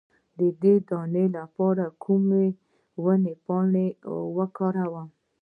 د دانو لپاره د کومې ونې پاڼې وکاروم؟